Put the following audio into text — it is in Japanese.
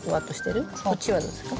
こっちはどうですか？